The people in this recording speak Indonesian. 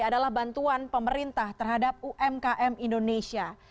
adalah bantuan pemerintah terhadap umkm indonesia